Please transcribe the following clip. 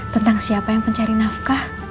tentang siapa yang mencari nafkah